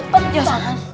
cepet ya ustadz